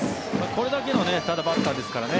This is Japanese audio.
これだけのバッターですからね